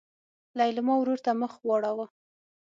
لېلما ورور ته مخ واړوه.